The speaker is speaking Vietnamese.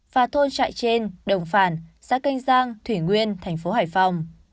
và thôn trại trên đồng phản xã canh giang thủy nguyên thành phố hải phòng